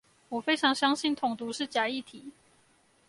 我非常相信統獨是假議題